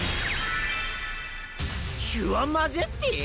キュアマジェスティ？